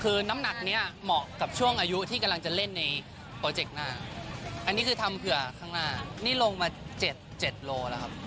คือน้ำหนักนี้เหมาะกับช่วงอายุที่กำลังจะเล่นในโปรเจกต์หน้าอันนี้คือทำเผื่อข้างหน้านี่ลงมา๗๗โลแล้วครับ